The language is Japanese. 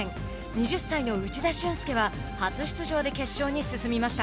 ２０歳の内田峻介は初出場で決勝に進みました。